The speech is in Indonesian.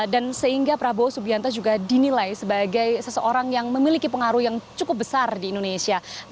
dan sehingga prabowo subianto juga dinilai sebagai seseorang yang memiliki pengaruh yang cukup besar di indonesia